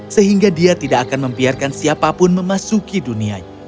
sehingga dia tidak akan membiarkan siapapun memasuki dunianya